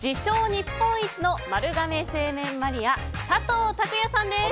日本一の丸亀製麺マニア佐藤拓也さんです。